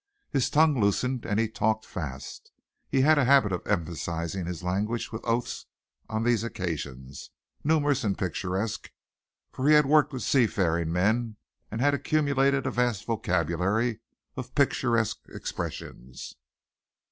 His tongue loosened and he talked fast. He had a habit of emphasizing his language with oaths on these occasions numerous and picturesque, for he had worked with sea faring men and had accumulated a vast vocabulary of picturesque expressions.